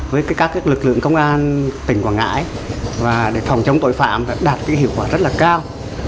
với các lực lượng công an tỉnh quảng ngãi để phòng chống tội phạm đạt hiệu quả rất cao